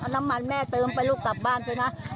น้ำมันแม่เติมไปลูกกลับบ้านไปนะ